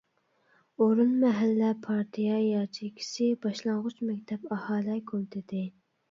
ئورۇن مەھەللە پارتىيە ياچېيكىسى، باشلانغۇچ مەكتەپ، ئاھالە كومىتېتى.